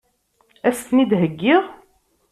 Ad as-ten-id-heggiɣ?